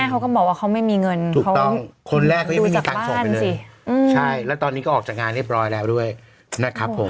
คนแรกก็ยังไม่มีการส่งกันเพลิงแล้วตอนนี้ก็ออกจากงานเรียบร้อยแล้วด้วยนะครับผม